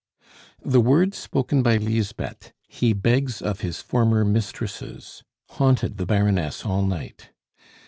The words spoken by Lisbeth, "He begs of his former mistresses," haunted the Baroness all night.